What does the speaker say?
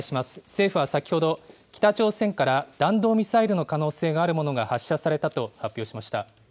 政府は先ほど、北朝鮮から弾道ミサイルの可能性があるものが発射されたと発表しました。